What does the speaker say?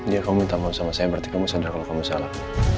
dia kamu minta maaf sama saya berarti kamu sadar kalau kamu salah